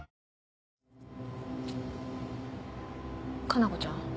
加奈子ちゃん？